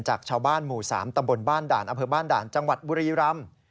จากชาวบ้านหมู่๓ตำบลบ้านด่านอำเภอบ้านด่านจังหวัดบุรีรำ